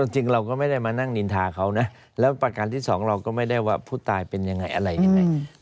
จริงเราก็ไม่ได้มานั่งนินทาเขานะแล้วประการที่สองเราก็ไม่ได้ว่าผู้ตายเป็นยังไงอะไรยังไง